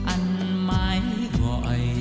anh mãi gọi